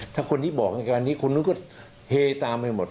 ถ้าคนนี้บอกกับอันนี้คนนู้นก็เฮตามไปหมด